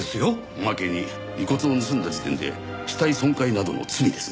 おまけに遺骨を盗んだ時点で死体損壊等の罪です。